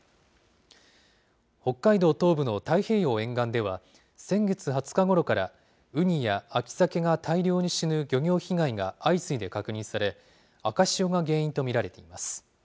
北海道東部の太平洋沿岸では、先月２０日ごろから、ウニや秋サケが大量に死ぬ漁業被害が相次いで確認され、赤潮が原因と見られています。